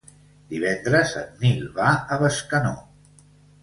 Divendres en Nil va a Bescanó.